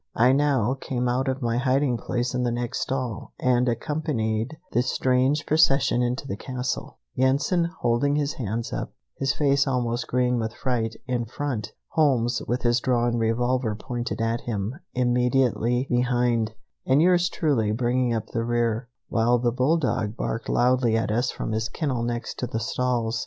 I now came out of my hiding place in the next stall, and accompanied the strange procession into the castle: Yensen, holding his hands up, his face almost green with fright, in front; Holmes, with his drawn revolver pointed at him, immediately behind, and yours truly bringing up the rear, while the bulldog barked loudly at us from his kennel next to the stalls.